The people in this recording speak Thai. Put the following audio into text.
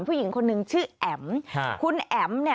ผู้หญิงคนหนึ่งชื่อแอ๋ม